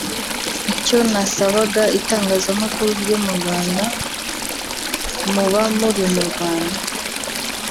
Icyo nasabaga itangazamakuru ryo mu Rwanda muba muri mu Rwanda